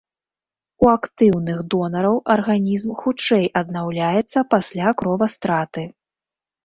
У актыўных донараў арганізм хутчэй аднаўляецца пасля кровастраты.